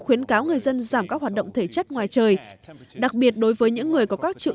khuyến cáo người dân giảm các hoạt động thể chất ngoài trời đặc biệt đối với những người có các triệu